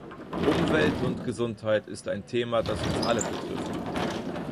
Umwelt und Gesundheit ist ein Thema, das uns alle betrifft.